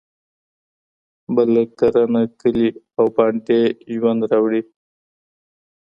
بل کرنه، کلي او بانډې ژوند راوړي.